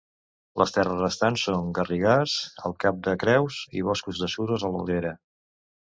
Les terres restants són garrigars al cap de Creus i boscos de suros a l'Albera.